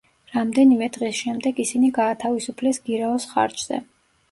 რამდენიმე დღის შემდეგ ისინი გაათავისუფლეს გირაოს ხარჯზე.